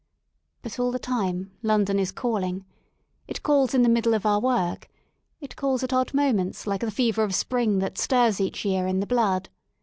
But all the time London is calling; it calls in the middle of our work, it calls at odd moments like the fever of spring that stirs each year in the blood.